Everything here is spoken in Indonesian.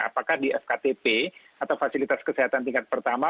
apakah di fktp atau fasilitas kesehatan tingkat pertama